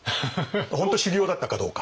本当に修行だったかどうか。